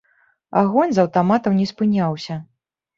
Агонь з аўтаматаў не спыняўся.